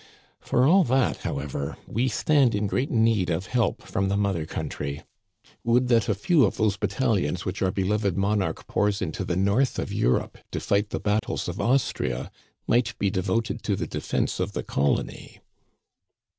For all that, however, we stand in great need of help from the mother country. Would that a few of those battalions which our beloved mon Digitized by VjOOQIC 156 THE CANADIANS OF OLD, ' arch pours into the north of Europe to fight the battles of Austria, might be devoted to the defense of the col ony."